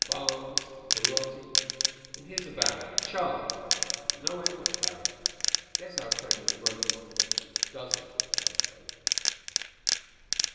"Barnes ... Barotti ... and here's a Barrack, Charles. But no Amos Barrack. Guess our friend with the broken watch crystal doesn't have a telephone."